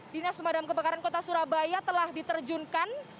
dinas pemadam kebakaran kota surabaya telah diterjunkan